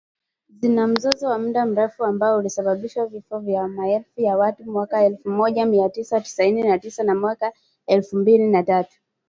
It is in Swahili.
Zina mzozo wa muda mrefu ambao ulisababisha vifo vya maelfu ya watu mwaka elfu moja mia tisa tisini na tisa na mwaka elfu mbili na tatu